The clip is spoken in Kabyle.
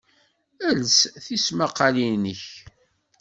Els tismaqalin-nnek